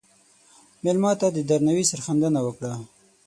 مېلمه ته د درناوي سرښندنه وکړه.